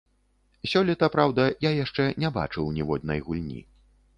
Сёлета, праўда, я яшчэ не бачыў ніводнай гульні.